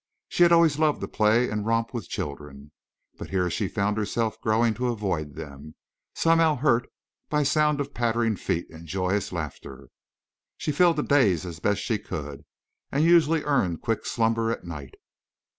She had always loved to play and romp with children, but here she found herself growing to avoid them, somehow hurt by sound of pattering feet and joyous laughter. She filled the days as best she could, and usually earned quick slumber at night.